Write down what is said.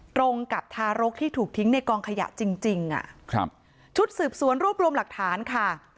ตรงกับทารกที่ถูกทิ้งในกองขยะจริงจริงอ่ะครับชุดสืบสวนรวบรวมหลักฐานค่ะ